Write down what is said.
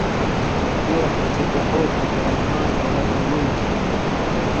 گی وختہ چے بےقوفاں کریا مال دولت مِلِلیۡ کھیں